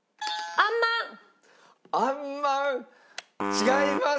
違います。